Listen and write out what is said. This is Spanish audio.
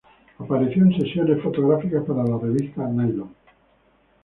Apareció en sesiones fotográficas para la revista "Nylon".